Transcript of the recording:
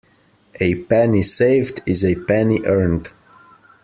A penny saved is a penny earned.